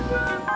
gak ada apa apa